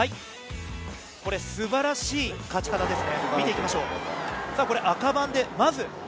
素晴らしい勝ち方ですね。